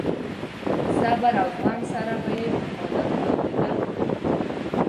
په صبر او زغم سره به يې مخالف اورېدلو.